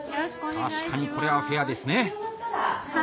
確かにこれはフェアですね。